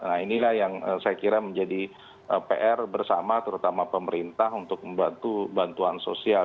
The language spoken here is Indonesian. nah inilah yang saya kira menjadi pr bersama terutama pemerintah untuk membantu bantuan sosial